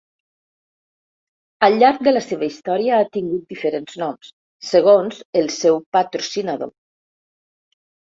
Al llarg de la seva història ha tingut diferents noms, segons el seu patrocinador.